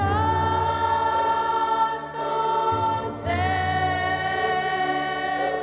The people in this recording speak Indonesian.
dengan ignoran badan